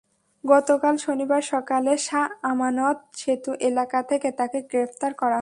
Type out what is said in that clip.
গতকাল শনিবার সকালে শাহ আমানত সেতু এলাকা থেকে তাঁকে গ্রেপ্তার করা হয়।